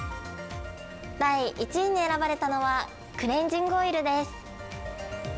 第１位に選ばれたのはクレンジングオイルです。